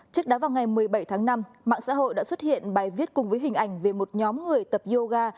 trước đó vào ngày một mươi bảy tháng năm mạng xã hội đã xuất hiện bài viết cùng với hình ảnh về một nhóm người tập yoga